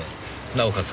なおかつ